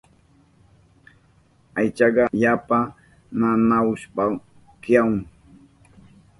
Aychanka yapa nanahushpan kihahun.